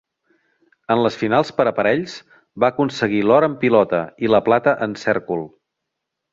En les finals per aparells va aconseguir l'or en pilota i la plata en cèrcol.